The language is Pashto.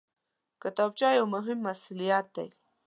کتابچه یو مهم مسؤلیت دی